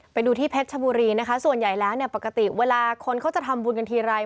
ไปดูที่เพชรชบุรีนะคะส่วนใหญ่แล้วเนี่ยปกติเวลาคนเขาจะทำบุญกันทีไร